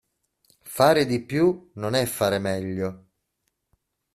Fare di più non è fare meglio.